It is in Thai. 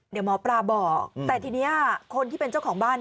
เดี๋ยวหมอปลาบอกแต่ทีนี้คนที่เป็นเจ้าของบ้าน